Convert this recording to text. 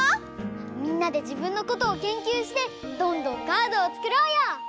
みんなで自分のことを研究してどんどんカードをつくろうよ！